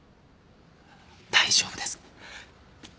大丈夫です。